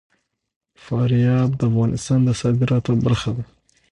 فاریاب د افغانستان د صادراتو برخه ده.